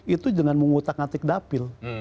itu jangan mengutak ngatik dapil